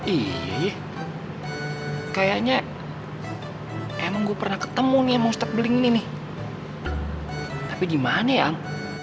iya kayaknya emang gue pernah ketemu nih ustadz beling ini nih tapi gimana yang